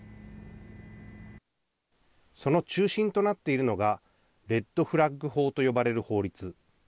その中心となっているのがレッド・フラッグ法と呼ばれる法律。